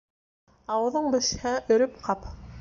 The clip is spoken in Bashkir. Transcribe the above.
Ауыҙың бешһә, өрөп ҡап.